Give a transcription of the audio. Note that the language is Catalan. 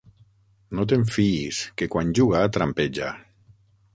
No te'n fiïs, que quan juga trampeja.